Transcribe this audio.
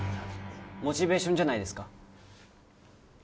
モチベーションじゃないですか？